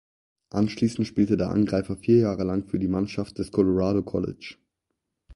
Anschließend spielte der Angreifer vier Jahre lang für die Mannschaft des Colorado College.